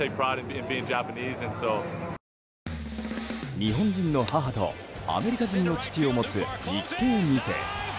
日本人の母とアメリカ人の父を持つ日系２世。